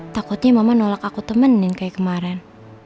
takutnya mama nolak aku temenin kayak kemarin